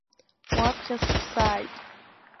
Уаԥхьа сыԥсааит!